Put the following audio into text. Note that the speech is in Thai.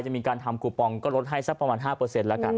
จะมีการทำคูปองก็ลดให้สักประมาณ๕แล้วกัน